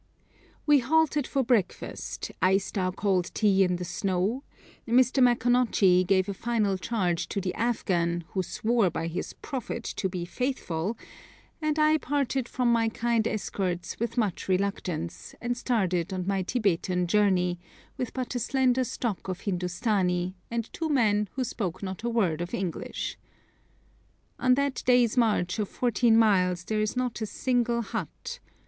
We halted for breakfast, iced our cold tea in the snow, Mr. M. gave a final charge to the Afghan, who swore by his Prophet to be faithful, and I parted from my kind escorts with much reluctance, and started on my Tibetan journey, with but a slender stock of Hindustani, and two men who spoke not a word of English. On that day's march of fourteen miles there is not a single hut.